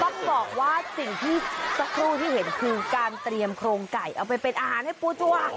ต้องบอกว่าสิ่งที่สักครู่ที่เห็นคือการเตรียมโครงไก่เอาไปเป็นอาหารให้ปูจัว